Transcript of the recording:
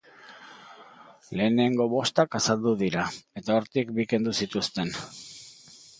Lehenengo bostak azaldu dira, eta hortik bi kendu zituzten.